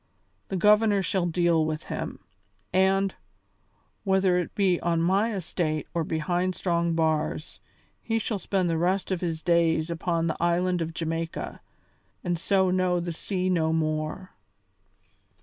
The Governor shall deal with him; and, whether it be on my estate or behind strong bars, he shall spend the rest of his days upon the island of Jamaica, and so know the sea no more."